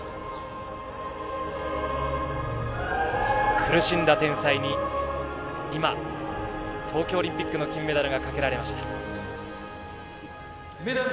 苦しんだ天才に、今、東京オリンピックの金メダルがかけられました。